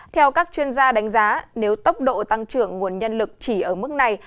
theo các chuyên gia đánh giá nếu tốc độ tăng trưởng nguồn nhân lực chỉ ở mức này